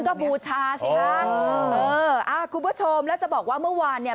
ก็บูชาสิฮะเอออ่าคุณผู้ชมแล้วจะบอกว่าเมื่อวานเนี่ย